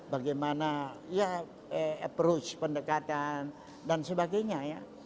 bagaimana ya approach pendekatan dan sebagainya ya